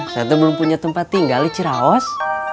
saya tuh belum punya tempat tinggal di ciraos